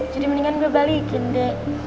jadi mendingan gue balikin deh